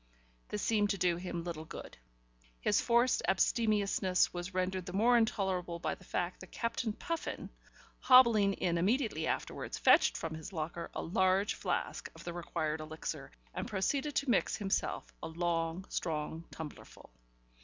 This seemed to do him little good. His forced abstemiousness was rendered the more intolerable by the fact that Captain Puffin, hobbling in immediately afterwards, fetched from his locker a large flask of the required elixir, and proceeded to mix himself a long, strong tumblerful.